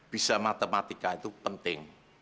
bisa matematika itu penting